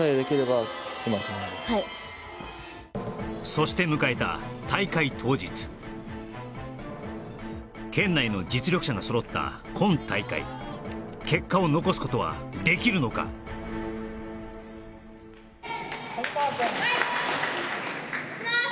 そして迎えた大会当日県内の実力者が揃った今大会結果を残すことはできるのか・堀川くんはいいきます